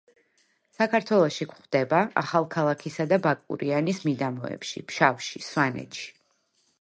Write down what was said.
საქართველოში გვხვდება ახალქალაქისა და ბაკურიანის მიდამოებში, ფშავში, სვანეთში.